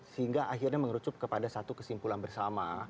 sehingga akhirnya mengerucup kepada satu kesimpulan bersama